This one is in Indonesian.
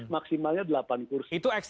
maksimalnya delapan kursi